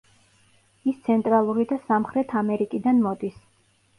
ის ცენტრალური და სამხრეთ ამერიკიდან მოდის.